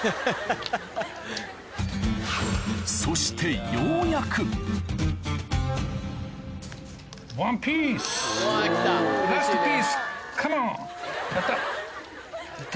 そしてようやくやった。